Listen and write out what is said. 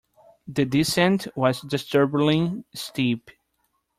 The descent was disturbingly steep.